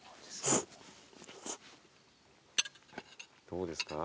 どうですか？